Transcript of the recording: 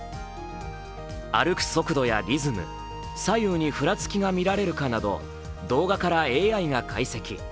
歩く速度やリズム、左右にふらつきが見られるかなど動画からＡＩが解析。